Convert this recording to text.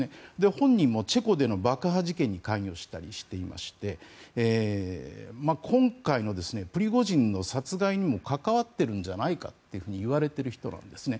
本人もチェコでの爆破事件に関与したりしてまして今回のプリゴジンの殺害にも関わっているんじゃないかといわれている人なんですね。